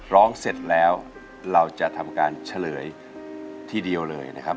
ร้องเสร็จแล้วเราจะทำการเฉลยทีเดียวเลยนะครับ